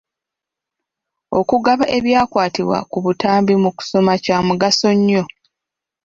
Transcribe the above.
Okugaba ebyakwatibwa ku butambi mu kusoma kya mugaso nnyo.